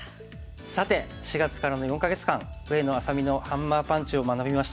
さて４月からの４か月間上野愛咲美のハンマーパンチを学びました。